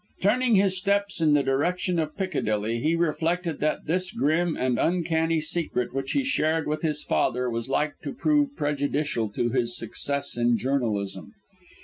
Turning his steps in the direction of Piccadilly, he reflected that this grim and uncanny secret which he shared with his father was like to prove prejudicial to his success in journalism.